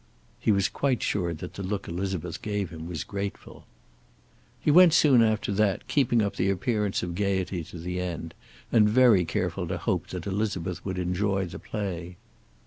He was quite sure that the look Elizabeth gave him was grateful. He went soon after that, keeping up an appearance of gaiety to the end, and very careful to hope that Elizabeth would enjoy the play.